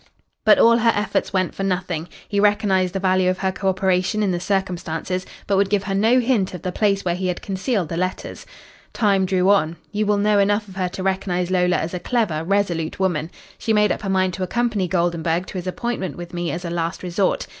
"But all her efforts went for nothing. He recognised the value of her co operation in the circumstances, but would give her no hint of the place where he had concealed the letters. Time drew on. You will know enough of her to recognise Lola as a clever, resolute woman. She made up her mind to accompany Goldenburg to his appointment with me as a last resort.